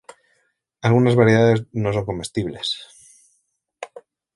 Algunas variedades no son comestibles.